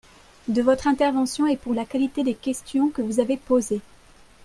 de votre intervention et pour la qualité des questions que vous avez posées.